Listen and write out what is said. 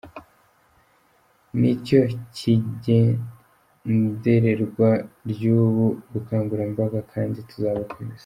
Ni cyo kigendererwa ry’ubu bukangurambaga kandi tuzabukomeza."